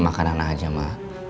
makanan aja ma